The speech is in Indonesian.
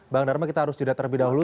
bang dharma kita harus jeda terlebih dahulu